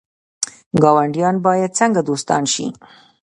ګاونډیان باید څنګه دوستان شي؟